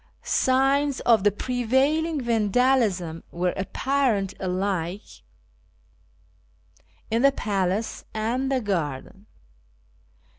Signs of the prevailing vandalism were apparent alike ISFAHAN ■ 20 1 in tlie palace and the garden.